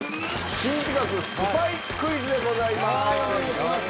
新企画スパイクイズでございます。